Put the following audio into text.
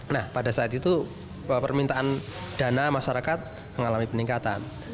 nah pada saat itu permintaan dana masyarakat mengalami peningkatan